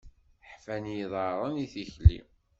Ḥfan iḍarren i tikli.